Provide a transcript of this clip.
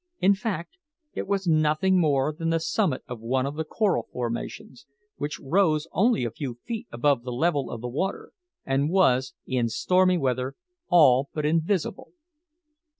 In fact, it was nothing more than the summit of one of the coral formations, which rose only a few feet above the level of the water, and was, in stormy weather, all but invisible.